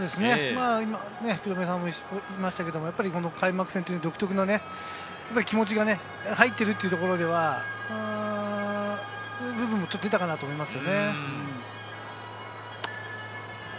今、福留さんも言いましたけど開幕戦という独特の気持ちが入っているというところでは、そういう部分も出たかなと思います。